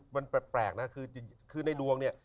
มันแปลกในดวง